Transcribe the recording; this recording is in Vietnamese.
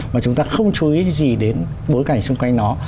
mà chúng ta không chú ý gì đến bối cảnh xung quanh nó